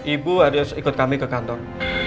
ibu harus ikut kami ke kantor